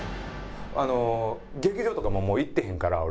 劇場とかももう行ってへんから俺。